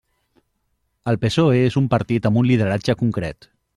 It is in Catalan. El PSOE és un partit amb un lideratge concret.